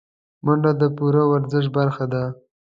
منډه د پوره ورزش برخه ده